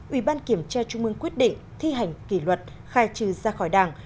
ủy ban kiểm tra trung ương quyết định thi hành kỷ luật khai trừ ra khỏi đảng